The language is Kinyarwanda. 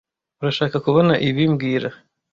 Urashaka kubona ibi mbwira